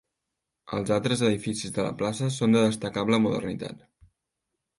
Els altres edificis de la plaça són de destacable modernitat.